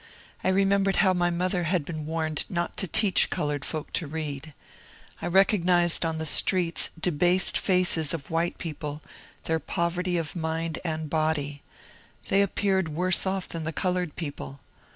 I remem bered how my mother had been warned not to teach coloured folk to read. I recognized on the streets debased faces of white people, their poverty of mind and body. They ap peared worse off than the coloured people.